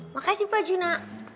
makasih pak juna